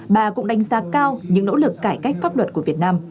bà cũng đánh giá cao những nỗ lực cải cách pháp luật của việt nam